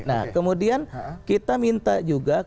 nah kemudian kita minta juga